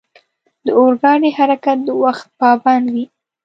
د اورګاډي حرکت د وخت پابند وي.